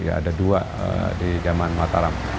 ada dua di zaman mataram